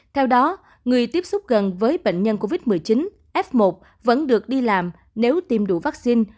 theo đó người tiếp xúc gần với bệnh nhân covid một mươi chín f một vẫn được đi làm nếu tiêm đủ vaccine